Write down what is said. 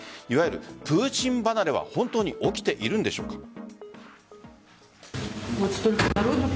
いわゆるプーチン離れは本当に起きているのでしょうか。